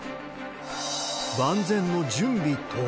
万全の準備とは。